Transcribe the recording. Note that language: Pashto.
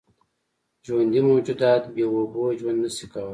ژوندي موجودات بېاوبو ژوند نشي کولی.